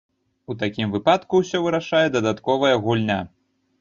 У такім выпадку ўсё вырашае дадатковая гульня.